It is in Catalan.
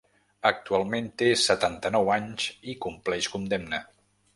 Actualment té setanta-nou anys i compleix condemna.